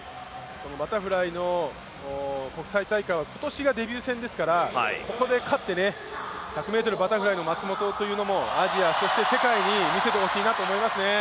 バタフライの国際大会は今年がデビュー戦ですからここで勝って、１００ｍバタフライの松元というのも、アジアそして世界に見せてほしいと思いますね。